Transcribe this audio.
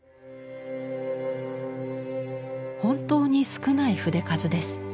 本当に少ない筆数です。